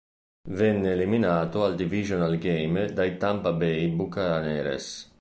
Venne eliminato al Divisional Game dai Tampa Bay Buccaneers.